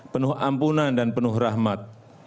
penuh ampunan dan penuh rahmat